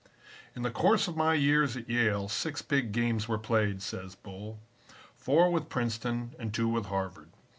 "In the course of my years at Yale, six big games were played," says Bull, "four with Princeton and two with Harvard.